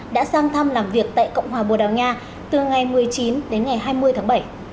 đã sang thăm làm việc tại cộng hòa bồ đào nha từ ngày một mươi chín đến ngày hai mươi tháng bảy